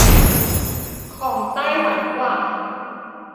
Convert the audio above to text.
ของไต้หวันกว่า